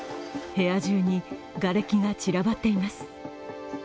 部屋中にがれきが散らばっています。